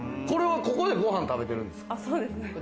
ここで、ご飯食べてるんですか？